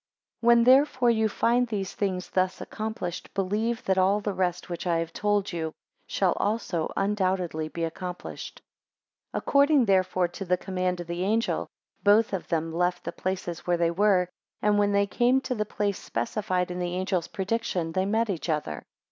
7 When therefore you find these things thus accomplished, believe that all the rest which I have told you, shall also undoubtedly be accomplished. 8 According therefore to the command of the angel, both of them left the places where they were, and when they came to the place specified in the angels prediction, they met each other.